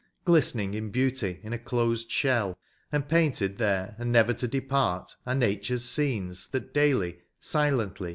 Glistening in heauty in a closed shell : And painted there and never to depart Are nature's scenes, that daily, silently.